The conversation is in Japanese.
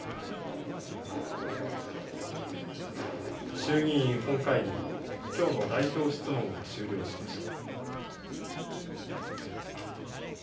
衆議院本会議、きょうの代表質問が終了しました。